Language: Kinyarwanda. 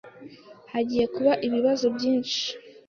Hagiye kuba ibibazo byinshi.